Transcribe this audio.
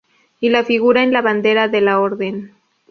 Y la figura en la bandera de la Orden.